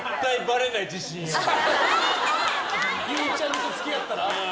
ゆいちゃみと付き合ったら？